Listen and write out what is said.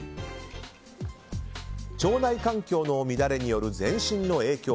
腸内環境の乱れによる全身への影響。